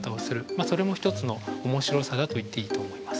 それも一つの面白さだと言っていいと思います。